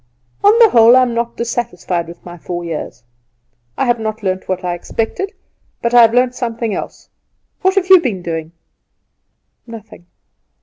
On the whole, I am not dissatisfied with my four years. I have not learnt what I expected; but I have learnt something else. What have you been doing?" "Nothing."